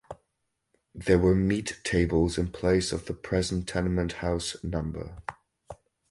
There were meat tables in place of the present tenement house no.